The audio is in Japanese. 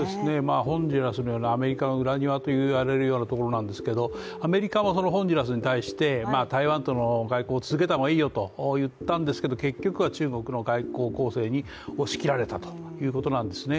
ホンジュラスのようなアメリカの裏庭と言われるようなところなんですけれどもアメリカもホンジュラスに対して、台湾との外交を続けた方がいいよといったんですけど、結局は中国の外交攻勢に押しきられたということなんですね。